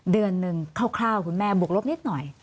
เดือนนึงเท่าคุณแม่บลงบุกลบนิดหน่อย